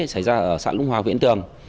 xảy ra ở xã lũng hòa huyện vĩnh tưởng